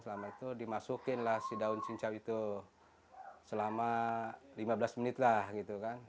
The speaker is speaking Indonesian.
selama itu dimasukinlah si daun cincau itu selama lima belas menit lah gitu kan